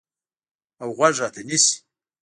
اوغوږ راته نیسي